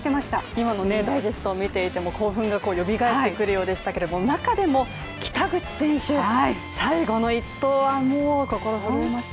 今のダイジェストを見ていても興奮がよみがえってくるようでしたけれども中でも北口選手、最後の一投は心が震えました。